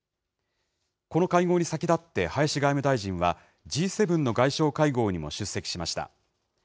この会合に先立って林外務大臣は、Ｇ７の外相会合にも出席しました。